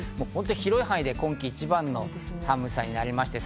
広い範囲で今季一番の寒さになりました。